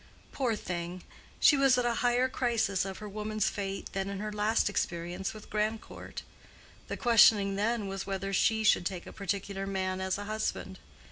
Poor thing! she was at a higher crisis of her woman's fate than in her last experience with Grandcourt. The questioning then, was whether she should take a particular man as a husband.